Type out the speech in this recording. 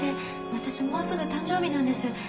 私もうすぐ誕生日なんです。